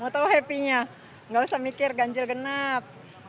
gak tau happy nya gak usah mikir ganjil genap